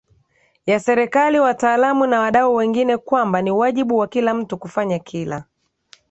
ya serikali wataalamu na wadau wengine kwamba ni wajibu wa kila mtu kufanya kila